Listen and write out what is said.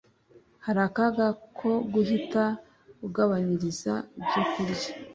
Hari akaga ko guhita ugabanyiriza ibyokurya